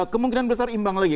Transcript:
kemungkinan besar imbang lagi